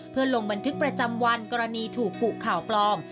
เพื่อลงบันทึกประจำวันกรณีถูกกุข่าวปลอม